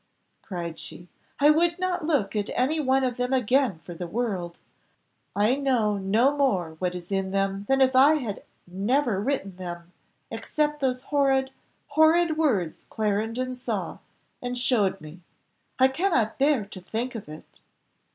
cried she, "I would not look at any one of them again for the world; I know no more what is in them than if I had never written them, except those horrid, horrid words Clarendon saw and showed me. I cannot bear to think of it.